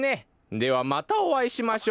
ではまたおあいしましょう。